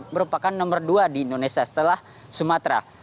merupakan nomor dua di indonesia setelah sumatera